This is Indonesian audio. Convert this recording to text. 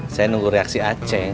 saya nunggu reaksi aceh